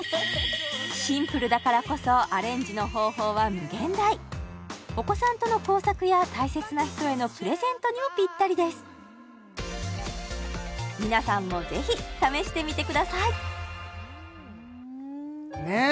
シンプルだからこそアレンジの方法は無限大お子さんとの工作や大切な人へのプレゼントにもぴったりです皆さんもぜひ試してみてくださいねえ